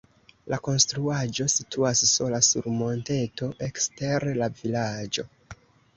La konstruaĵo situas sola sur monteto ekster la vilaĝo.